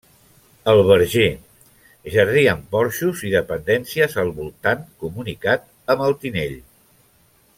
El Verger, jardí amb porxos i dependències al voltant, comunicat amb el Tinell.